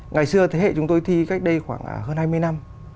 ngày xưa thế hệ chúng tôi thi cách đây khoảng hơn hai mươi năm